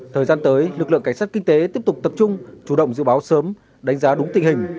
thời gian tới lực lượng cảnh sát kinh tế tiếp tục tập trung chủ động dự báo sớm đánh giá đúng tình hình